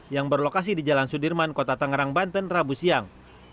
yang berlokasi di jalan sudirman kota tangerang banten rabu siang